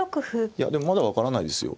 いやでもまだ分からないですよ。